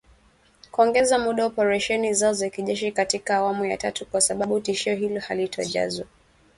kuongeza muda wa operesheni zao za kijeshi katika awamu ya tatu kwa sababu tishio hilo halijatozwa